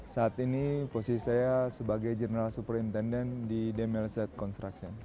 saat ini posisi saya sebagai general superintendent di demelzat construction